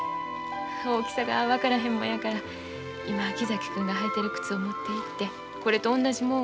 大きさが分からへんもんやから今木崎君が履いてる靴を持っていってこれと同じもんをて